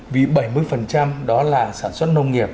vì bảy mươi đó là sản xuất nông nghiệp